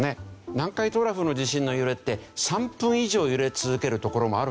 南海トラフの地震の揺れって３分以上揺れ続ける所もあるんじゃないか。